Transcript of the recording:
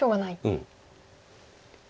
うん。